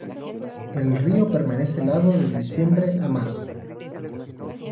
El río permanece helado de diciembre a marzo.